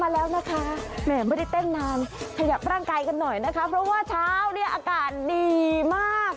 แล้วนะคะแหมไม่ได้เต้นนานขยับร่างกายกันหน่อยนะคะเพราะว่าเช้าเนี่ยอากาศดีมาก